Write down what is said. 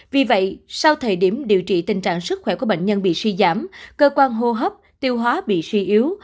vì vậy sau thời điểm điều trị tình trạng sức khỏe của bệnh nhân bị suy giảm cơ quan hô hấp tiêu hóa bị suy yếu